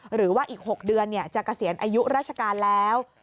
หรือว่าอีก๖เดือนจะเกษียณอายุราชการแล้ว